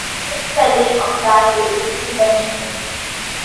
The misspelling of "Battel" is intentional.